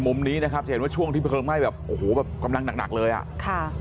มุมนี้นะครับจะเห็นว่าช่วงที่เพลิงไหม้แบบโอ้โหแบบกำลังหนักหนักเลยอ่ะค่ะ